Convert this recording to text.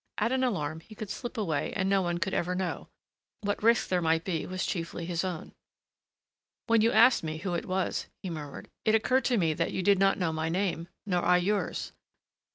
At an alarm he could slip away and no one could ever know. What risk there might be was chiefly his own. "When you asked who it was," he murmured, "it occurred to me that you did not know my name nor I yours.